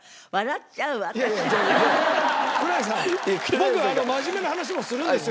僕真面目な話もするんですよ